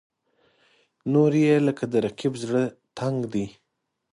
نورې یې لکه د رقیب زړه تنګ دي.